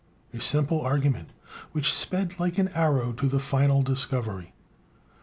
A simple argument, which sped like an arrow to the final discovery.